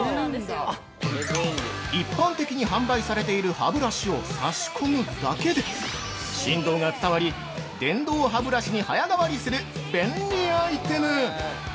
一般的に販売されている歯ブラシを差し込むだけで振動が伝わり電動歯ブラシに早変わりする便利アイテム。